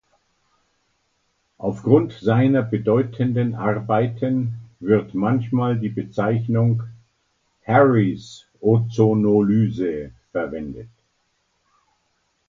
Aufgrund seiner bedeutenden Arbeiten wird manchmal die Bezeichnung "Harries-Ozonolyse" verwendet.